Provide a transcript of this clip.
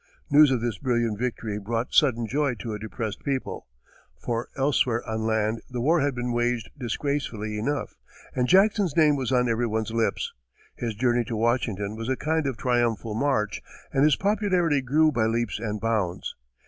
News of this brilliant victory brought sudden joy to a depressed people, for elsewhere on land the war had been waged disgracefully enough, and Jackson's name was on everyone's lips. His journey to Washington was a kind of triumphal march, and his popularity grew by leaps and bounds.